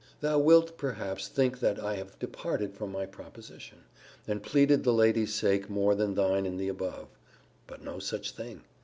Thou wilt perhaps think that I have departed from my proposition, and pleaded the lady's sake more than thine, in the above but no such thing.